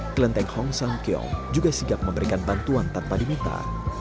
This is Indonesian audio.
klenteng hongsam gyeong juga sigap memberikan bantuan tanpa diminta